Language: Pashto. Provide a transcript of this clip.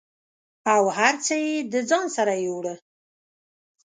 او هر څه یې د ځان سره یووړه